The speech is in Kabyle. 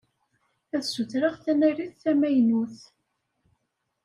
Ad ssutreɣ tanarit tamaynut.